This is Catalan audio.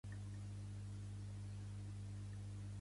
Beu una vegada amb l'escudella, dues amb el peix i amb la carn tres.